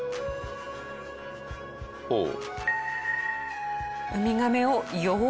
ほう。